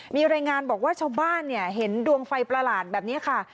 มีรายงานบอกว่าชาวบ้านเห็นดวงไฟประหลาดแบบนี้ค่ะ